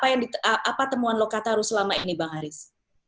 apa temuan lo kata harus selama ini bang haris